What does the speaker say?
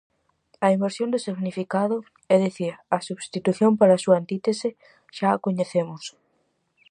A inversión do significado é dicir, a substitución pola súa antítese, xa a coñecemos.